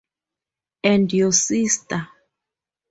And Your Sister?